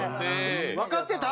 わかってた？